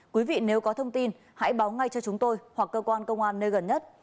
quý vị nếu có thông tin hãy báo ngay cho chúng tôi hoặc cơ quan công an nơi gần nhất